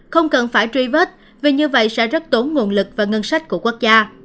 không cần phải truy vết vì như vậy sẽ rất tốn nguồn lực và ngân sách của quốc gia